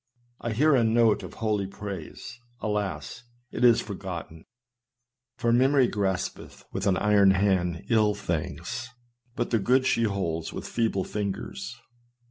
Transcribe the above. I hear a note of holy praise : alas ! it is forgotten ! For memory graspeth with an iron hand ill things, but the good she holdeth with feeble fingers.